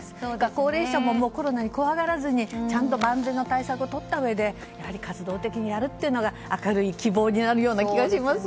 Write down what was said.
高齢者もコロナに怖がらずに万全の対策をとったうえでやはり活動的にやるというのが明るい希望になる気がします。